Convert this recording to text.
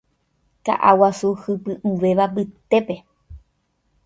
Ka'a guasu hypy'ũvéva mbytépe